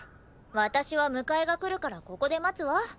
私は迎えが来るからここで待つわ。